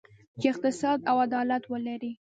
چې اقتصاد او عدالت ولري.